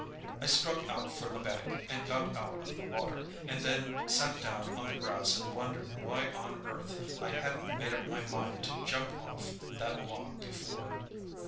I struck out for the bank, and got out of the water, and then sat down on the grass and wondered why on earth I hadn't made up my mind to jump off that log before.